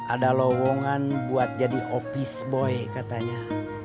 ada lowongan buat jadi opis boy katanya